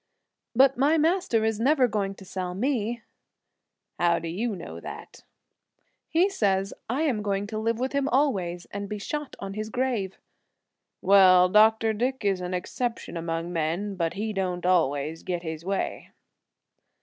"But my Master is never going to sell me!" "How do you know that?" "He says I am going to live with him always, and be shot on his grave." "Well, Dr. Dick is an exception among men; but he don't always get his way."